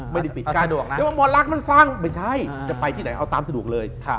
ไม่ได้ปิดกั้นเดี๋ยวว่าหมอลักษณ์มันฟังไม่ใช่จะไปที่ไหนเอาตามสะดวกเลย